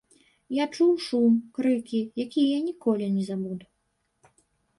Я чуў шум, крыкі, якія я ніколі не забуду.